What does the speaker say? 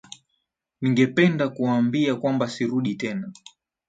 Ningependa kuwaambia kwamba sirudi tena.